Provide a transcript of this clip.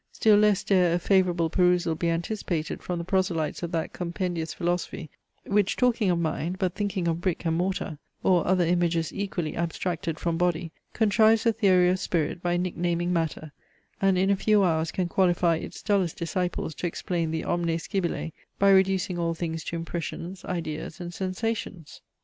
Still less dare a favourable perusal be anticipated from the proselytes of that compendious philosophy, which talking of mind but thinking of brick and mortar, or other images equally abstracted from body, contrives a theory of spirit by nicknaming matter, and in a few hours can qualify its dullest disciples to explain the omne scibile by reducing all things to impressions, ideas, and sensations.